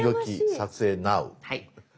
撮影ナウ！」。